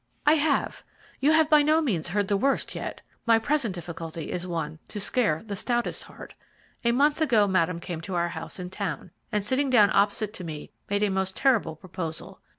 "I have. You have by no means heard the worst yet. My present difficulty is one to scare the stoutest heart. A month ago Madame came to our house in town, and sitting down opposite to me, made a most terrible proposal.